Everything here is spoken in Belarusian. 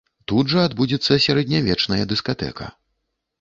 Тут жа адбудзецца сярэднявечная дыскатэка.